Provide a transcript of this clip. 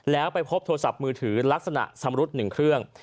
แล้วไปพบโทรศัพท์มือถือลักษณะชำรุด๑เครื่อง